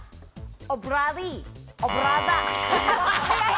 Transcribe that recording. オブラディオブラダ。